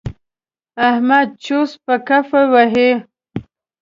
احمد چوس په کفه وهي.